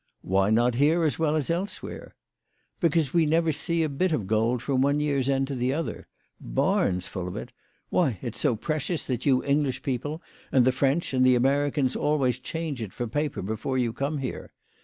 " Why not here as well as elsewhere ?"" Because we never see a bit of gold from one year's end to the other. Barns full of it ! Why, it's so precious that you English people, and the French, and the Americans always change it for paper before you come here.